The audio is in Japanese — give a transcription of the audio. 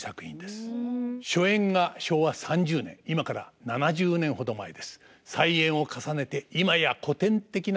初演が昭和３０年今から７０年ほど前です。